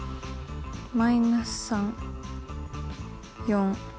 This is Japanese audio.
−３４